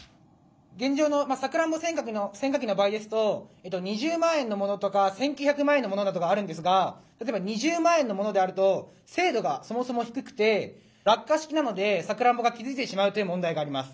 現状のさくらんぼ選果機の場合ですと２０万円のものとか１，９００万円のものなどがあるんですが例えば２０万円のものであると精度がそもそも低くて落下式なのでさくらんぼが傷ついてしまうという問題があります。